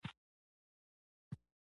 نوې کلتوري پیښه یادګار پاتې کېږي